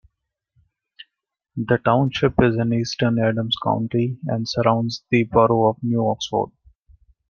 The township is in eastern Adams County and surrounds the borough of New Oxford.